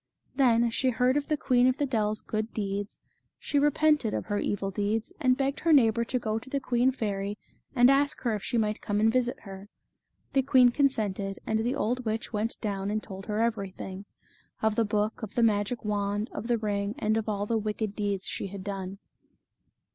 Then, as she heard of the Queen of the Dell's good deeds, she repented of her evil deeds, and begged her neighbour to go to the queen fairy and ask her if she might come and visit her. The queen consented, and the old witch went down and told her everything of the The Fairy of the Dell. 35 book, of the magic wand, of the ring, and of all the wicked deeds she had done.